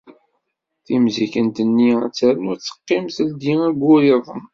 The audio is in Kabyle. Timzikent-nni ad ternu ad teqqim teldi ayyur-iḍen.